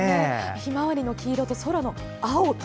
ひまわりの黄色と空の青と。